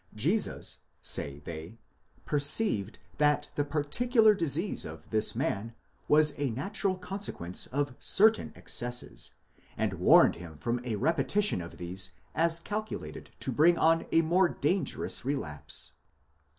Jesus, say they, perceived that the particular disease of this man was a natural conse quence of certain excesses, and warned him from a repetition of these as calculated to bring on a more dangerous relapse.